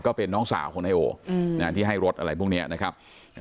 ก็เป็นน้องสาวของนายโอที่ให้รถอะไรพวกนี้นะครับ